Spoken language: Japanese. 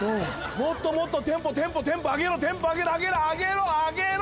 もっともっとテンポテンポテンポ上げろテンポ上げろ上げろ上げろ上げろ！